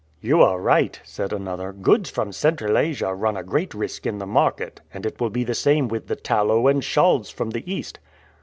"You are right," said another; "goods from Central Asia run a great risk in the market, and it will be the same with the tallow and shawls from the East."